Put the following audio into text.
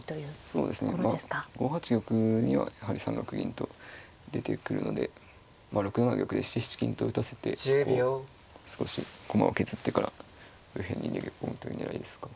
そうですねまあ５八玉にはやはり３六銀と出てくるのでまあ６七玉で７七金と打たせてこう少し駒を削ってから右辺に逃げ込むという狙いですか。